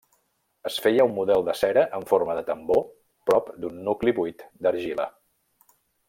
Es feia un model de cera en forma de tambor prop d'un nucli buit d'argila.